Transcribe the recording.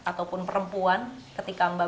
ataupun perempuan ketika mbak